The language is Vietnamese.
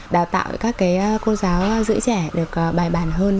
đào tạo các cô giáo giữ trẻ được bài bản hơn